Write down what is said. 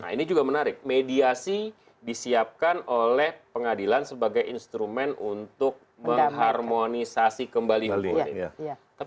nah ini juga menarik mediasi disiapkan oleh pengadilan sebagai instrumen untuk mengharmonisasi kembali hal ini